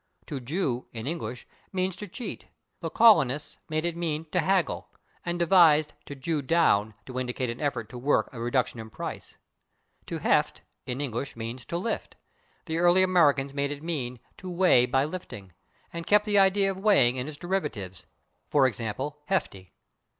/To jew/, in English, means to cheat; the colonists made it mean to haggle, and devised /to jew down/ to indicate an effort to work a reduction in price. /To heft/, in English, means to lift; the early Americans made it mean to weigh by lifting, and kept the idea of weighing in its derivatives, /e. g./, /hefty